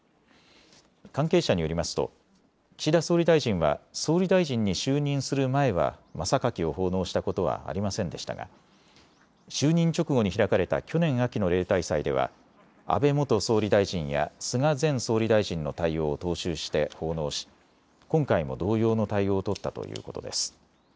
関係者によりますと岸田総理大臣は総理大臣に就任する前は真榊を奉納したことはありませんでしたが就任直後に開かれた去年秋の例大祭では安倍元総理大臣や菅前総理大臣の対応を踏襲して奉納し今回も同様の対応を取ったということです。